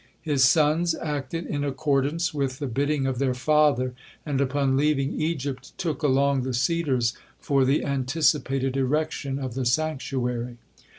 His sons acted in accordance with the bidding of their father, and upon leaving Egypt took along the cedars for the anticipated erection of the sanctuary.